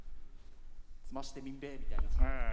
詰ましてみんべぇみたいな。